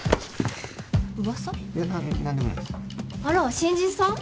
あら新人さん？